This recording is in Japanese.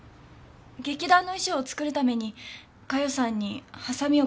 劇団の衣装を作るために加代さんにハサミを借りました。